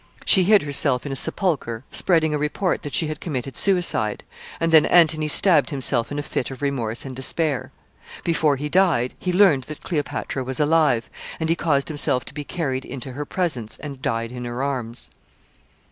She hid herself in a sepulcher, spreading a report that she had committed suicide, and then Antony stabbed himself in a fit of remorse and despair. Before he died, he learned that Cleopatra was alive, and he caused himself to be carried into her presence and died in her arms.